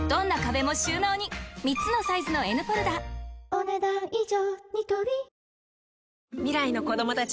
お、ねだん以上。